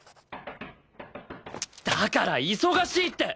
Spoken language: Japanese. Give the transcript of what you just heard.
だから忙しいって。